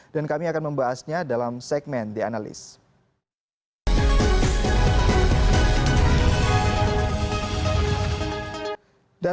dan kami akan membahasnya dalam segmen the analyst